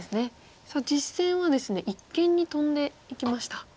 実戦はですね一間にトンでいきました。